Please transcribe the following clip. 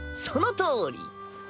そのとおり。